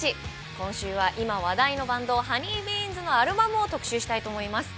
今週は今話題のバンド・ＨＯＮＥＹＢＥＡＮＳのアルバムを特集したいと思います